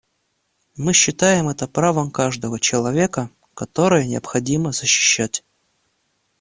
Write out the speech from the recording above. Мы считаем это правом каждого человека, которое необходимо защищать.